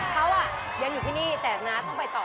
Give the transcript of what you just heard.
เขาอ่ะยังอยู่ที่นี่แต่น้าต้องไปต่อแล้วค่ะ